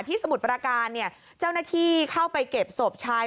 ที่สมุทรปราการเจ้าหน้าที่เข้าไปเก็บโสบชาย